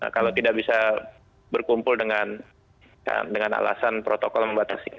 kalau tidak bisa berkumpul dengan alasan protokol membatasi